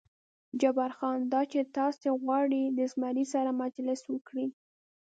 جبار خان: دا چې تاسې غواړئ د زمري سره مجلس وکړئ.